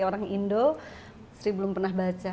orang indo sri belum pernah baca